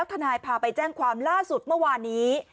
ทนายพาไปแจ้งความล่าสุดเมื่อวานนี้